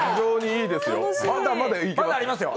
まだありますよ。